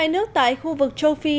hai mươi hai nước tại khu vực châu phi